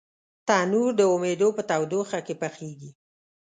تنور د امیدو په تودوخه کې پخېږي